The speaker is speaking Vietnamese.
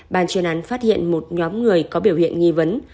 ban chuyên án phát hiện một nhóm người có biểu hiện nghi vấn